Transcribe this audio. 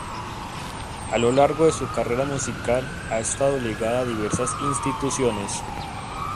A lo largo de su carrera musical, ha estado ligada a diversas instituciones.